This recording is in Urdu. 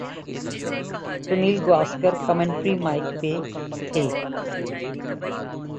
سنیل گواسکر کمنٹری مائیک پہ تھے۔